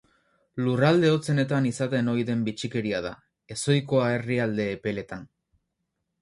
Lurralde hotzenetan izaten ohi den bitxikeria da, ezohikoa herrialde epeletan.